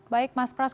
baik mas pras